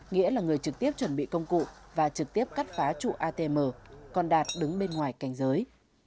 nghĩa là người trực tiếp chuẩn bị công cụ và trực tiếp cắt phá trụ atm còn đạt đứng bên ngoài cảnh giới